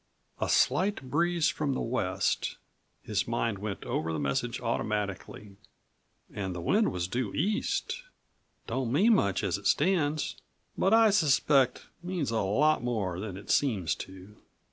"A slight breeze from the west," his mind14 went over the message automatically, "and the wind was due east. Don't mean much as it stands, but I suspect means a lot more than it seems to."